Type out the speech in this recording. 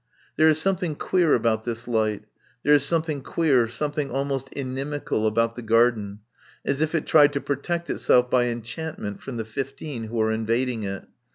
There is something queer about this light. There is something queer, something almost inimical, about the garden, as if it tried to protect itself by enchantment from the fifteen who are invading it.